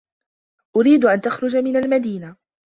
أريد أن تخرج من المدينة.